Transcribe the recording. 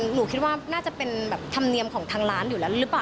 หนูคิดว่าน่าจะเป็นแบบธรรมเนียมของทางร้านอยู่แล้วหรือเปล่า